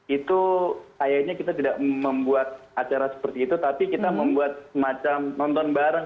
itu kayaknya kita tidak membuat acara seperti itu tapi kita membuat semacam nonton bareng